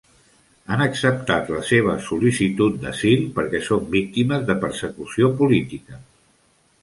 Han acceptat la seva sol·licitud d'asil, perquè són víctimes de persecució política.